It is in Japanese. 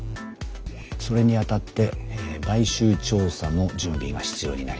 それにあたってえ買収調査の準備が必要になります。